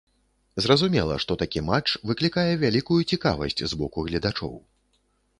Зразумела, што такі матч выклікае вялікую цікавасць з боку гледачоў.